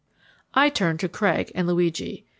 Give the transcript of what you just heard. I turned to Craig and Luigi.